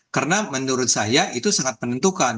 karena menurut saya itu sangat menentukan